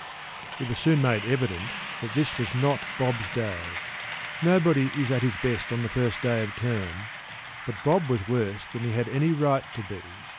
p> It was soon made evident that this was not Bob’s day.  Nobody is at his best on the first day of term; but Bob was worse than he had any right to be.